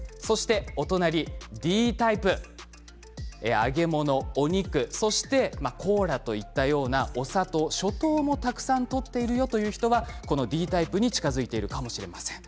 隣Ｄタイプ揚げ物、お肉、そしてコーラといったようなお砂糖、ショ糖をたくさんとってるよという人はＤタイプに近づいてるかもしれません。